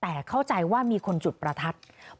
แต่เข้าใจว่ามีคนจุดประทัด